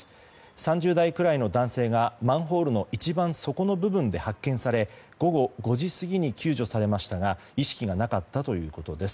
３０代くらいの男性がマンホールの一番底の部分で発見され午後５時過ぎに救助されましたが意識がなかったということです。